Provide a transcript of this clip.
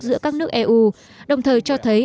giữa các nước eu đồng thời cho thấy